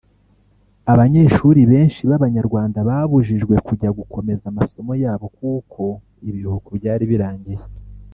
Abanyeshuli benshi b’abanyarwanda babujijwe kujya gukomeza amasomo yabo kuko ibiruhuko byari birangiye